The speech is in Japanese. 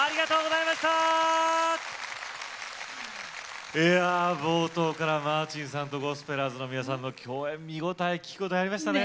いや冒頭からマーチンさんとゴスペラーズの皆さんの共演見応え聴き応えありましたね。